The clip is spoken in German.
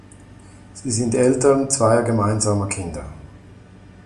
Sie sind Eltern zweier gemeinsamer Kinder.